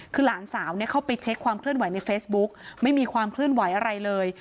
คือหลานสาวเข้าไปเช็คความเคลื่อนไหวในเฟซบุ๊กไม่มีความเคลื่อนไหวอะไรเลย